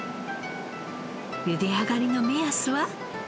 ゆで上がりの目安は？